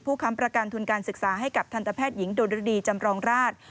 ค้ำประกันทุนการศึกษาให้กับทันตแพทย์หญิงดนรดีจำรองราช